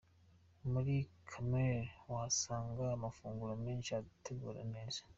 Muri Camellia wahasanga amafunguro menshi ateguye neza.